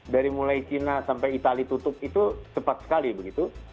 dari mulai china sampai itali tutup itu cepat sekali begitu